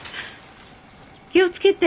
気を付けて。